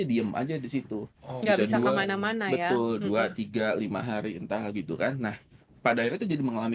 diem aja di situ bisa kemana mana ya betul dua ratus tiga puluh lima hari entah gitu kan nah pada itu jadi mengalami